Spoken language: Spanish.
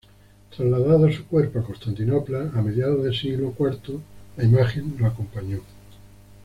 Trasladado su cuerpo a Constantinopla, a mediados del siglo cuarto, la imagen lo acompañó.